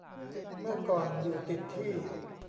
เมื่อก่อนอยู่ติดที่